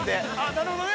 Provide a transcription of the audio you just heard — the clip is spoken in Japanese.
◆なるほどね。